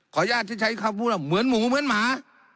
ขออนุญาตใช้คำพูดเหมือนหมูเหมือนหมา